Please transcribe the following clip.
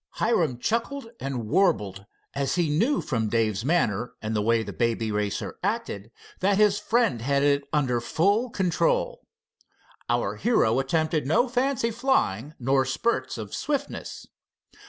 Hiram chuckled and warbled, as he knew from Dave's manner and the way the Baby Racer acted that his friend had it under full control. Our hero attempted no fancy flying nor spurts of swiftness.